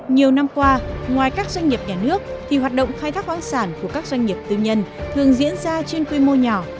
nhiều năm qua ngoài các doanh nghiệp nhà nước thì hoạt động khai thác khoáng sản của các doanh nghiệp tư nhân thường diễn ra trên quy mô nhỏ